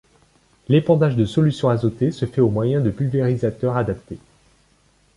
L'épandage des solutions azotées se fait au moyen de pulvérisateurs adaptés.